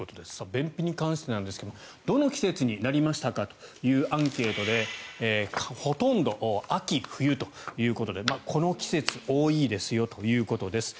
便秘に関してなんですがどの季節になりましたかというアンケートでほとんど秋、冬ということでこの季節多いですよということです。